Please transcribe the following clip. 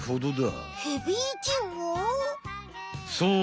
そう。